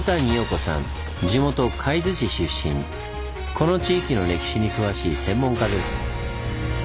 この地域の歴史に詳しい専門家です。